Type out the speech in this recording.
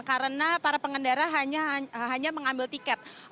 karena para pengendara hanya mengambil tiket